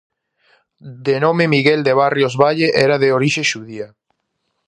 De nome Miguel de Barrios Valle, era de orixe xudía.